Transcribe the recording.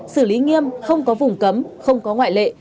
xử lý nghiêm không có vùng cấm không có ngoại lệ